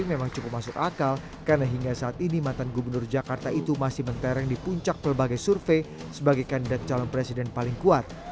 memang cukup masuk akal karena hingga saat ini mantan gubernur jakarta itu masih mentereng di puncak pelbagai survei sebagai kandidat calon presiden paling kuat